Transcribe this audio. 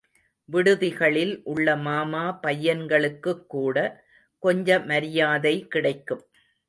விடுதிகளில் உள்ள மாமா பையன்களுக்குக் கூட கொஞ்ச மரியாதை கிடைக்கும்.